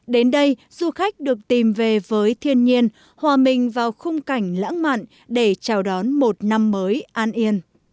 đến đây du khách được tìm về với thiên nhiên hòa mình vào khung cảnh lãng mạn để chào đón một năm mới an yên